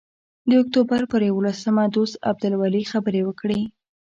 د اکتوبر پر یوولسمه دوست عبدالولي خبرې وکړې.